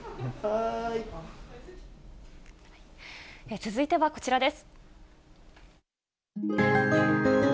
続いてはこちらです。